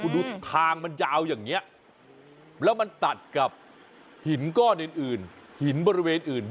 ดูทางมันยาวอย่างนี้แล้วมันตัดกับหินก้อนอื่นหินบริเวณอื่น